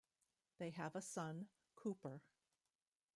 They have a son, Cooper.